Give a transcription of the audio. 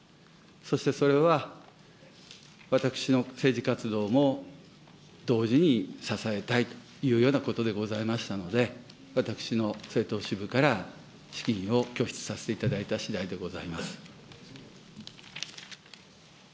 そして、それは私の政治活動も同時に支えたいというようなことでございましたので、私の政党支部から資金を拠出させていただいたしだいでございます。